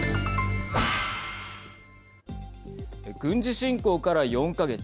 軍事侵攻から４か月。